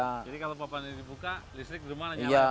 jadi kalau papan ini dibuka listrik di rumah nyalakan